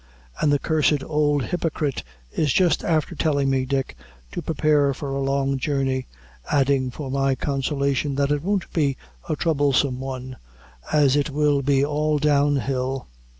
"And the cursed old hypocrite is just after telling me, Dick, to prepare for a long journey; adding, for my consolation, that it won't be a troublesome one, as it will be all down hill."